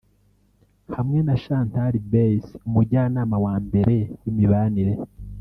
hamwe na Chantal Bes umujyanama wa mbere w’imibanire